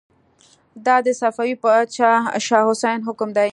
دا د صفوي پاچا شاه حسين حکم دی.